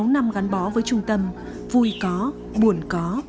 sáu năm gắn bó với trung tâm vui có buồn có